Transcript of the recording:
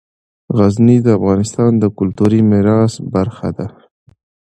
غزني د افغانستان د کلتوري میراث برخه ده.